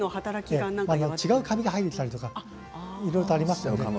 違うカビが入ってきたりいろいろありますね。